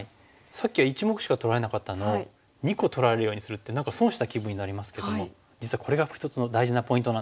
さっきは１目しか取られなかったのを２個取られるようにするって何か損した気分になりますけども実はこれが一つの大事なポイントなんですね。